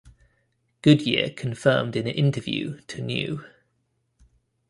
Goodyear confirmed in an interview to New!